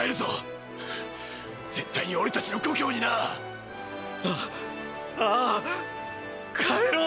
絶対に俺たちの故郷にな。ああぁ！帰ろう！！